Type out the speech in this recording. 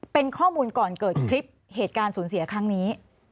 เป็นข้อมูลก่อนเกิดคลิปเหตุการณ์สูญเสียครั้งนี้